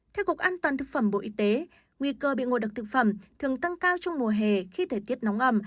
theo cục an toàn thực phẩm bộ y tế nguy cơ bị ngộ độc thực phẩm thường tăng cao trong mùa hè khi thời tiết nóng ẩm